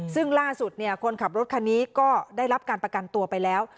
ซึ่งล่าสุดคนขับรถคันนี้ก็ได้รับการประกันตัวไปแล้ว